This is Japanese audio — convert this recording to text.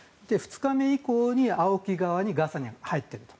２日目以降にＡＯＫＩ側にガサに入っている。